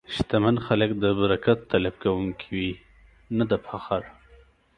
شتمن خلک د برکت طلب کوونکي وي، نه د فخر.